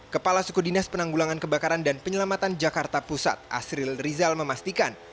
kepala suku dinas penanggulangan kebakaran dan penyelamatan jakarta pusat asril rizal memastikan